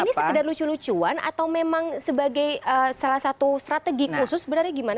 ini sekedar lucu lucuan atau memang sebagai salah satu strategi khusus sebenarnya gimana